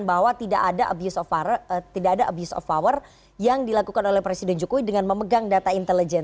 bahwa tidak ada abuse of power yang dilakukan oleh presiden jokowi dengan memegang data intelijen